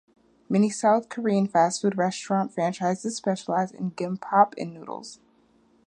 Many South Korean fast food restaurant franchises specialize in gimbap and noodles.